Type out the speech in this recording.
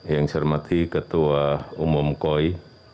yang saya hormati ketua umum koi